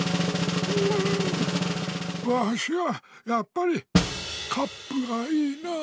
ううんわしはやっぱりカップがいいなあ。